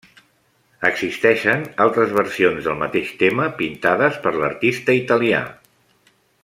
Existeixen altres versions del mateix tema pintades per l'artista italià.